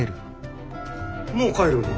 もう帰るの？